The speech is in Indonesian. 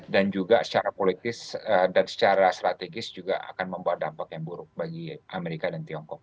dan juga secara politis dan secara strategis juga akan membuat dampak yang buruk bagi amerika dan tiongkok